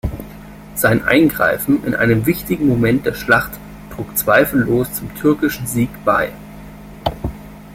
Sein Eingreifen in einem wichtigen Moment der Schlacht trug zweifellos zum türkischen Sieg bei.